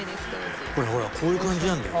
ほらほらこういう感じなんだよ。